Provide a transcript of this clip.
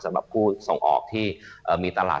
สำหรับผู้ส่งออกที่มีตลาด